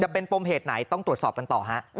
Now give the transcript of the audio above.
เป็นปมเหตุไหนต้องตรวจสอบกันต่อฮะ